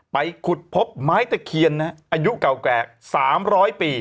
ไปขุดพบไม้ตะเคียนอายุเก่าแก่๓๐๐ปี